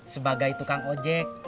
sebagai tukang ojek